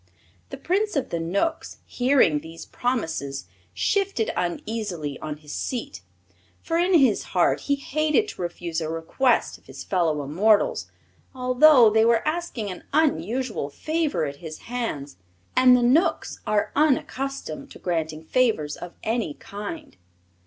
The Prince of the Knooks, hearing these promises, shifted uneasily on his seat, for in his heart he hated to refuse a request of his fellow immortals, although they were asking an unusual favor at his hands, and the Knooks are unaccustomed to granting favors of any kind.